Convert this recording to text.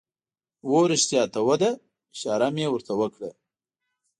هو، رښتیا ته ودره، اشاره مې ور ته وکړه.